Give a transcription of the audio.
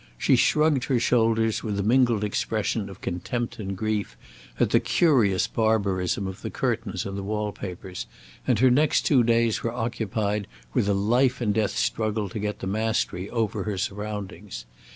She shrugged her shoulders with a mingled expression of contempt and grief at the curious barbarism of the curtains and the wall papers, and her next two days were occupied with a life and death struggle to get the mastery over her surroundings.